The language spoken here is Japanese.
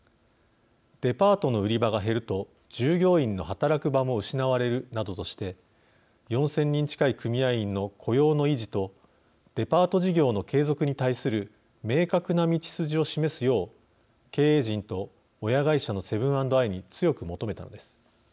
デパートの売り場が減ると従業員の働く場も失われるなどとして４０００人近い組合員の雇用の維持とデパート事業の継続に対する明確な道筋を示すよう経営陣と親会社のセブン＆アイに強く求めたのです。